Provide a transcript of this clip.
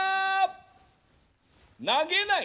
投げない！